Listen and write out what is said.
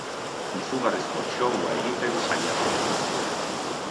Izugarrizko show-a egiten saiatuko gara.